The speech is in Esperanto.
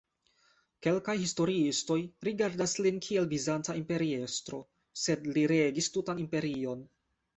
Kelkaj historiistoj rigardas lin kiel Bizanca imperiestro, sed li regis tutan imperion.